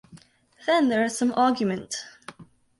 Then there is some argument.